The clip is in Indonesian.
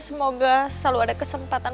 yang ini dia venezia